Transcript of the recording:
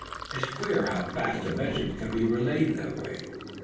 It's queer how fast a message can be relayed in that way."